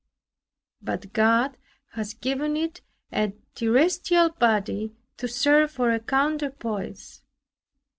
But God has given it a terrestrial body to serve for a counterpoise.